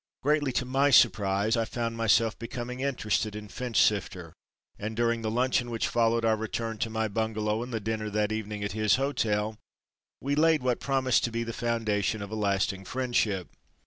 Greatly to my surprise I found myself becoming interested in Finchsifter, and during the luncheon which followed our return to my Bungalow and the dinner that evening at his hotel, we laid what promised to be the foundation of a lasting friendship.